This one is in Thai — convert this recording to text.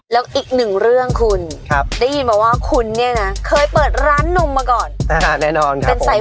แล้วอีกหนึ่งเรื่องคุณได้ยินมาว่าคุณเนี่ยนะเคยเปิดร้านนมมาก่อน